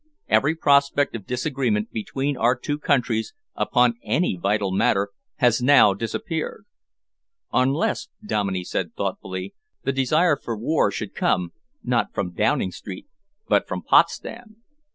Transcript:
Every prospect of disagreement between our two countries upon any vital matter has now disappeared." "Unless," Dominey said thoughtfully, "the desire for war should come, not from Downing Street but from Potsdam."